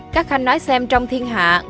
các khanh nói xem trong thiên hạm